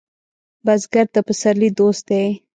بزګر د پسرلي دوست دی